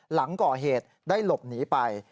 หลังก่อเหตุได้หลบหนีไป